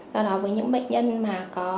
do đó với những bệnh nhân mà có